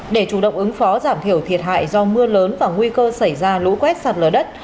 để chủ động ứng phó giảm thiểu thiệt hại do mưa lớn và nguy cơ xảy ra lũ quét sạt lở đất